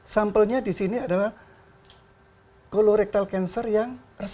sampelnya di sini adalah kolorektal cancer yang reseptif